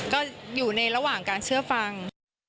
ก็อยู่ในระหว่างการเชื่อฟัง